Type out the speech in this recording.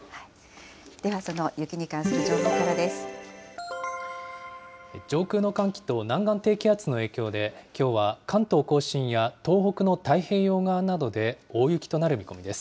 では、その雪に関する情報からで上空の寒気と南岸低気圧の影響で、きょうは関東甲信や東北の太平洋側などで大雪となる見込みです。